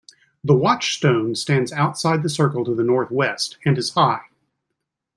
The Watch Stone stands outside the circle to the north-west and is high.